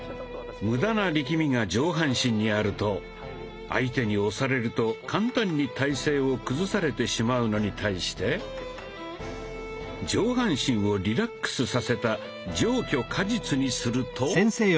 無駄な力みが上半身にあると相手に押されると簡単に体勢を崩されてしまうのに対して上半身をリラックスさせた「上虚下実」にすると。